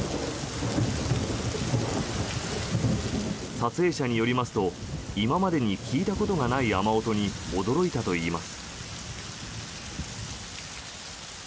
撮影者によりますと今までに聞いたことがない雨音に驚いたといいます。